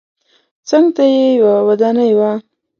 څنګ ته یې یوه ودانۍ وه.